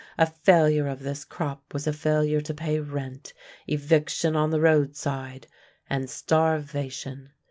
A failure of this crop was a failure to pay rent, eviction on the roadside, and starvation.